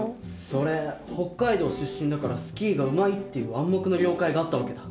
それ北海道出身だからスキーがうまいっていう「暗黙の了解」があった訳だ。